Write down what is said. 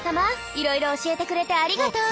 いろいろ教えてくれてありがとう。